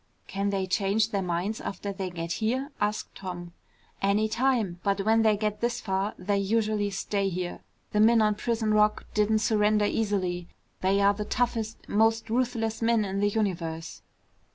"Can they change their minds after they get here?" asked Tom. "Any time. But when they get this far, they usually stay here. The men on Prison Rock didn't surrender easily. They are the toughest, most ruthless men in the universe."